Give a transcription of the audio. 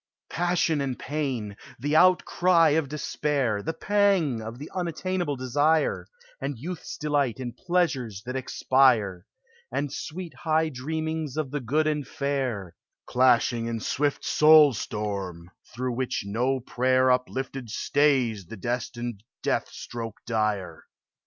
Passion and pain, the outcry of despair, The pang of the unattainable desire, And youth's delight in pleasures that expire, And sweet high dreamings of the good and fair Clashing in swift soul storm, through which no prayer Uplifted stays the destined death stroke dire.